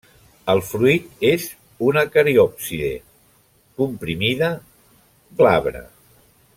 El fruit és una cariòpside, comprimida, glabra.